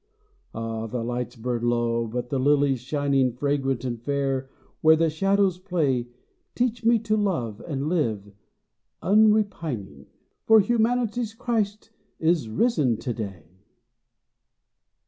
Ah, the lights burn low, but the lilies shining Fragrant and fair where the shadows play Teach me to love and live, un repining, For humanity's Christ is risen to day.